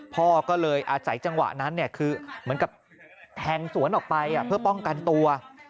พ่อก็เลยอาศัยจังหวะนั้นคือเหมือนกับแทงสวนออกไปเพื่อป้องกันตัว